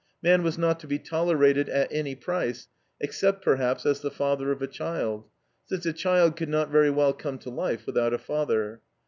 Man was not to be tolerated at any price, except perhaps as the father of a child, since a child could not very well come to life without a father.